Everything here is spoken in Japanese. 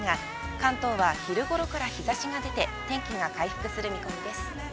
関東は昼ごろから日差しが出て、天気が回復する見込みです。